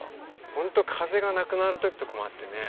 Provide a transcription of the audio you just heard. ホント風がなくなる時とかもあってね。